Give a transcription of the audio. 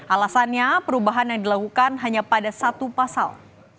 alasannya perubahan yang dilakukan hanya pada satu pasal